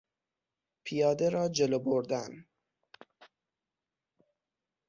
پیاده را جلو بردن